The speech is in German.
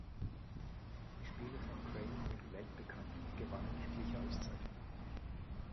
Die Spiele von Crane wurden weltbekannt und gewannen etliche Auszeichnungen.